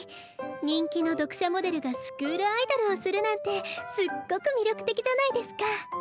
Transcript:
人気の読者モデルがスクールアイドルをするなんてすっごく魅力的じゃないですか。